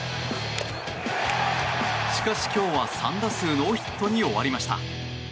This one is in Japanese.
しかし今日は３打数ノーヒットに終わりました。